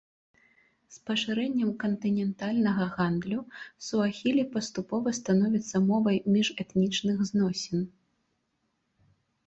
З пашырэннем кантынентальнага гандлю суахілі паступова становіцца мовай міжэтнічных зносін.